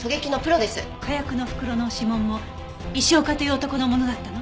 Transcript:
火薬の袋の指紋も石岡という男のものだったの？